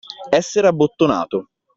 Essere abbottonato.